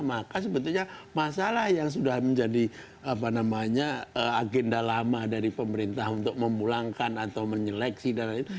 maka sebetulnya masalah yang sudah menjadi agenda lama dari pemerintah untuk memulangkan atau menyeleksi dan lain lain